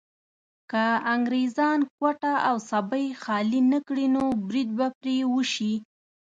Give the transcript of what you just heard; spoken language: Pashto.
که انګريزان کوټه او سبۍ خالي نه کړي نو بريد به پرې وشي.